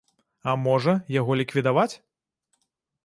А, можа, яго ліквідаваць.